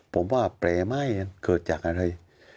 ผมว่าแปลไม่เกิดจากอะไร